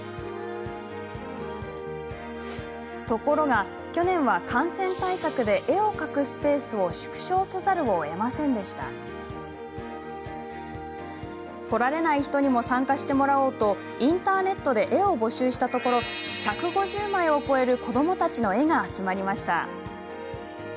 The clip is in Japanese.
ところが去年は感染対策で絵を描くスペースを縮小せざるをえませんでした。来られない人にも参加してもらおうとインターネットで絵を募集したところ１５０枚を超える子どもたちの絵が集まりました。